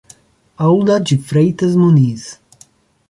Alda de Freitas Muniz